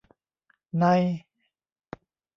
ใน